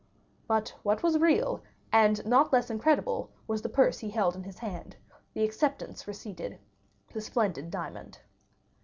But what was real and not less incredible was the purse he held in his hand, the acceptance receipted—the splendid diamond.